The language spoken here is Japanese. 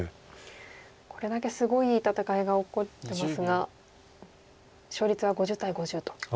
これだけすごい戦いが起こってますが勝率は５０対５０と。